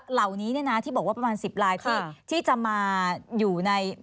เหล่านี้เนี่ยนะที่บอกว่าประมาณ๑๐ลายที่จะมาอยู่ใน